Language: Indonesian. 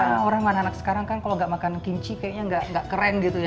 karena orang anak anak sekarang kan kalau gak makan kinci kayaknya nggak keren gitu ya